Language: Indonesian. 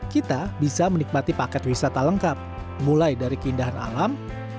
kita bisa menikmati paket wisata lengkap mulai dari keindahan alam